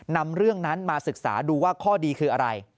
นำเรื่องนั้นมาศึกษาดูว่าข้อดีคืออะไร